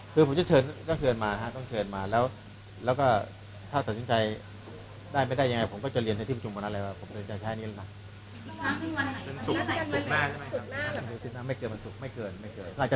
ถ้าคุณคิดว่าหวังจากเด็กกว่านี้คุณจะมีการเลือกประชุมอีกครั้งคุณรู้ว่าอย่างไรครับ